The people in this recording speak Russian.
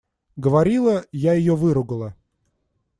Говорила, я ее выругала.